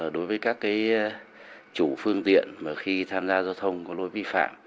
đối với các chủ phương tiện mà khi tham gia giao thông có lỗi vi phạm